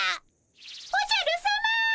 おじゃるさま。